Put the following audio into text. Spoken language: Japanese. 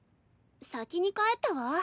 先に帰ったわ。